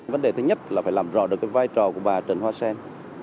vấn đề thứ nhất là phải làm rõ được cái vai trò của bà trần hoa sen